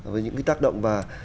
với những cái tác động và